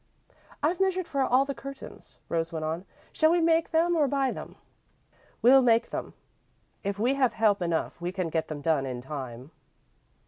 "I've measured for all the curtains," Rose went on. "Shall we make them or buy them?" "We'll make them. If we have help enough we can get them done in time."